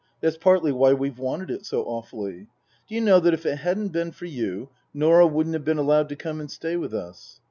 That's partly why we've wanted it so awfully. Do you know that if it hadn't been for you Norah wouldn't have been allowed to come and stay with us